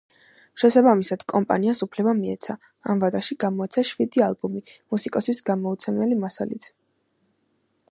შესაბამისად, კომპანის უფლება მიეცა, ამ ვადაში გამოეცა შვიდი ალბომი მუსიკოსის გამოუცემელი მასალით.